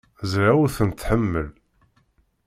Ẓriɣ ur tent-tḥemmel.